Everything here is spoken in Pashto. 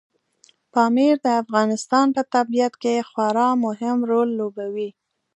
پامیر د افغانستان په طبیعت کې خورا مهم رول لوبوي.